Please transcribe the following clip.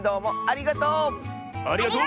ありがとう！